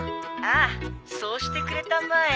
☎ああそうしてくれたまえ。